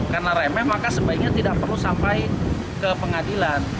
karena remeh maka sebaiknya tidak perlu sampai ke pengadilan